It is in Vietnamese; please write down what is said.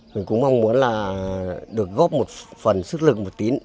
mình cũng mong muốn là được góp một phần sức lực một tín